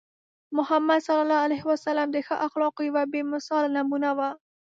محمد صلى الله عليه وسلم د ښو اخلاقو یوه بې مثاله نمونه وو.